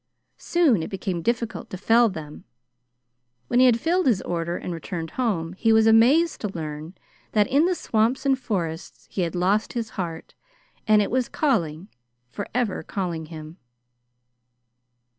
Soon it became difficult to fell them. When he had filled his order and returned home, he was amazed to learn that in the swamps and forests he had lost his heart and it was calling forever calling him.